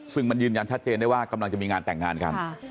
ซึ่งมันยืนยันชัดเจนได้ว่ากำลังจะมีงานแต่งงานกัน